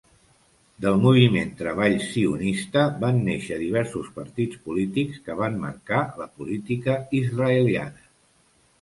Del moviment Treball sionista van néixer diversos partits polítics que van marcar la política israeliana.